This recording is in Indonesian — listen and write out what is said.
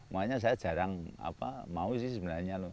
makanya saya jarang mau sih sebenarnya loh